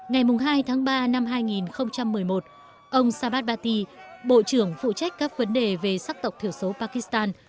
ngày hai ba hai nghìn một mươi một ông sabat baty bộ trưởng phụ trách vấn đề về sát tộc thiểu số pakistan